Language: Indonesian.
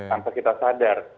tanpa kita sadar